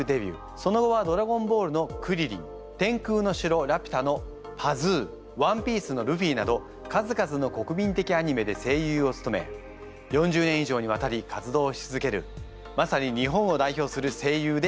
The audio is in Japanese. その後は「ドラゴンボール」のクリリン「天空の城ラピュタ」のパズー「ＯＮＥＰＩＥＣＥ」のルフィなど数々の国民的アニメで声優をつとめ４０年以上にわたり活動し続けるまさに日本を代表する声優であります。